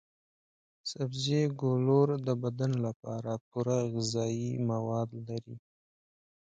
سبزي ګولور د بدن لپاره پوره غذايي مواد لري.